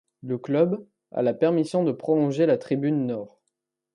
Le club a la permission de prolonger la tribune Nord.